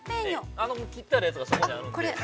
切ってあるやつが、そこにあるので。